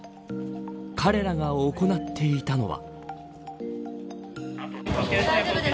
彼らが行っていたのは。